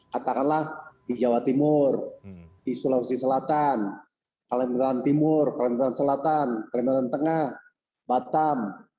katakanlah di jawa timur di sulawesi selatan kalimantan timur kalimantan selatan kalimantan tengah batam